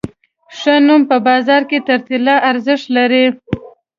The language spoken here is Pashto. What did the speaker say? ښه نوم په بازار کې تر طلا ارزښت لري.